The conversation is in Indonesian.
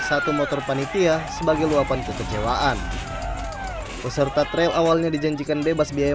satu motor panitia sebagai luapan kekecewaan peserta trail awalnya dijanjikan bebas biaya